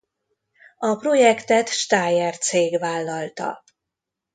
A projektet Steyr cég vállalta.